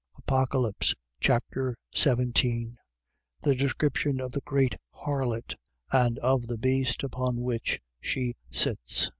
Apocalypse Chapter 17 The description of the great harlot and of the beast upon which she sits.